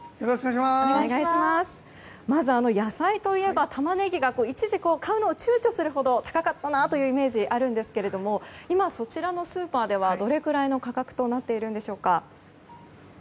まず、野菜といえばタマネギが買うのを躊躇するほど高かったなというイメージがあるんですが今そちらのスーパーではどのぐらいの価格となっているんでしょうか。